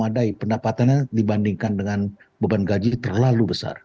jadi saya merasa bahwa perusahaan ini tidak bisa dibandingkan dengan beban gaji terlalu besar